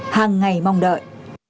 hàng ngày mong đợi